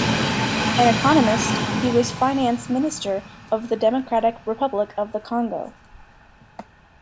An economist, he was Finance Minister of the Democratic Republic of the Congo.